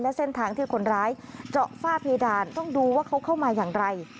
และเส้นทางที่คนร้ายเจาะฝ้าเพดานต้องดูว่าเขาเข้ามาอย่างไร